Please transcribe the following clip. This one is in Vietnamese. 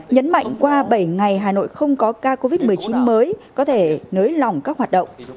nhấn mạnh qua bảy ngày hà nội không có ca covid một mươi chín mới có thể nới lỏng các hoạt động